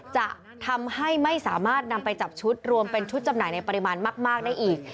จะทำให้ไม่สามารถนำไปจับชุดรวมเป็นชุดจำหน่ายในปริมาณมากได้อีก